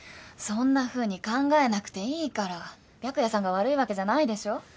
そんなふうに考えなくていいから白夜さんが悪いわけじゃないでしょ？